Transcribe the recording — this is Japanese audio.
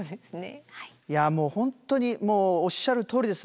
いやもう本当におっしゃるとおりです。